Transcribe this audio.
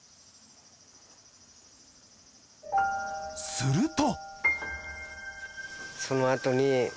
すると。